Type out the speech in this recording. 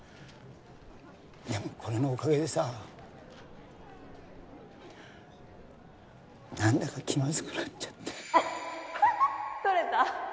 いやこれのおかげでさ何だか気まずくなっちゃってアッハハとれた？